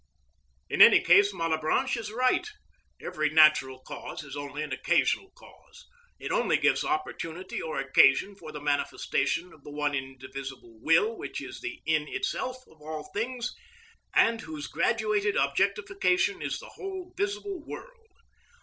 In any case Malebranche is right: every natural cause is only an occasional cause. It only gives opportunity or occasion for the manifestation of the one indivisible will which is the "in itself" of all things, and whose graduated objectification is the whole visible world.